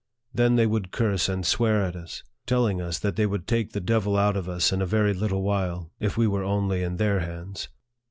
Then they would curse and swear at us, telling us that they could take the devil out of us in a very little while, if we were only in their hands.